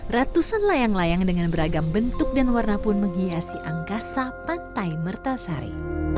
ratusan layang layang dengan beragam bentuk dan warna pun menghiasi angkasa pantai mertasari